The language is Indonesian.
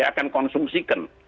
dia akan konsumsikan